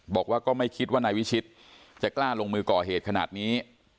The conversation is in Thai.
บอกว่าก็ไม่คิดว่านายวิชิตจะกล้าลงมือก่อเหตุขนาดนี้